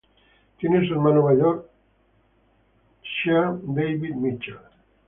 Tiene un hermano mayor, Sean David Mitchell.